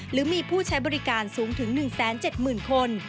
หรือมีผู้ใช้บริการสูงถึง๑แสน๗หมื่นคน